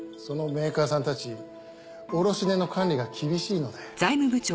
そのメーカーさんたち卸値の管理が厳しいので。